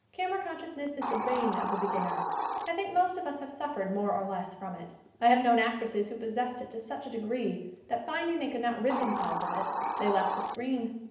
Camera consciousness is the bane of the beginner. I think most of us have suf fered more or less from it. I have known actresses who possessed it to such a degree that, finding they could not rid themselves of it, they left the screen.